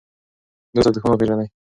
دوست او دښمن وپېژنئ.